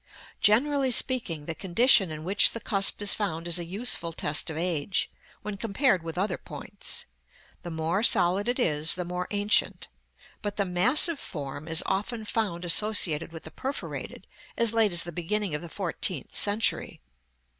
Generally speaking, the condition in which the cusp is found is a useful test of age, when compared with other points; the more solid it is, the more ancient: but the massive form is often found associated with the perforated, as late as the beginning of the fourteenth century.